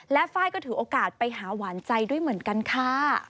และไฟล์ก็ถือโอกาสไปหาหวานใจด้วยเหมือนกันค่ะ